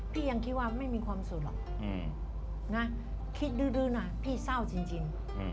ยังคิดว่าไม่มีความสุขหรอกนะคิดดื้อนะพี่เศร้าจริง